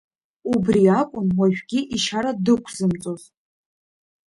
Убри акәын уажәгьы ишьара дықәзымҵоз.